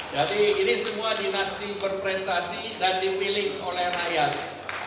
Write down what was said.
jadi ini semua dinasti berprestasi dan dipilih oleh rakyat